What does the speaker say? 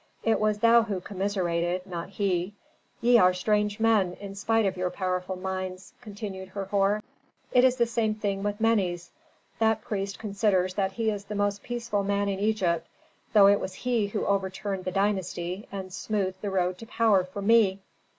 It was thou who commiserated, not he. Ye are strange men, in spite of your powerful minds," continued Herhor. "It is the same thing with Menes. That priest considers that he is the most peaceful man in Egypt, though it was he who overturned the dynasty and smoothed the road to power for me.